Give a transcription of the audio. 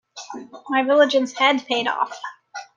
My vigilance had paid off.